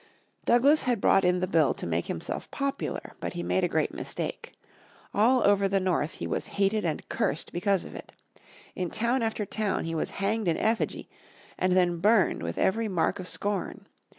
Douglas had brought in the bill to make himself popular. But he made a great mistake. All over the North he was hated and cursed because of it. In town after town he was hanged in effigy, and then burned with every mark of scorn.